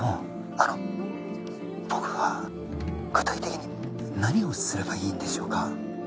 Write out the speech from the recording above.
あの僕は具体的に何をすればいいんでしょうか？